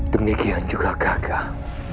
demikian juga kakak